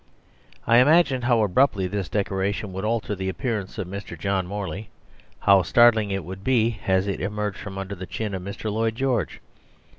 I imagined how abruptly this decoration would alter the appearance of Mr. John Morley; how startling it would be as it emerged from under the chin of Mr. Lloyd George.